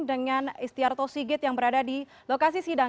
dengan istiarto sigit yang berada di lokasi sidang